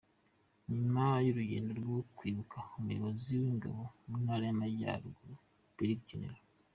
Nyuma y’urugendo rwo kwibuka, Umuyobozi w’Ingabo mu Ntara y’Amajyaruguru, Brig Gen.